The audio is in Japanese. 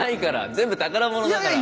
全部宝物だから。